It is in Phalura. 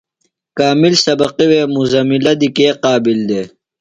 کامل سبقیۡ وے مزملہ دی کے قابل دےۡ؟